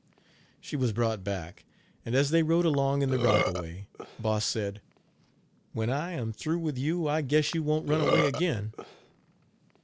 She was brought back, and as they rode along in the rockaway, Boss said: "When I am through with you I guess you won't run away again.